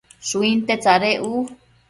Shuinte tsadec u